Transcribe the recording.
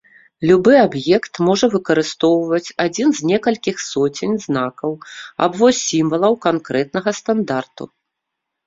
Любы аб'ект можа выкарыстоўваць адзін з некалькіх соцень знакаў або сімвалаў канкрэтнага стандарту.